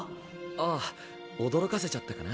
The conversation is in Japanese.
ああ驚かせちゃったかな？